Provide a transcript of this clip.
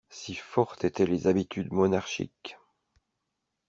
Si fortes étaient les habitudes monarchiques.